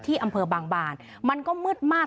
อำเภอบางบานมันก็มืดมาก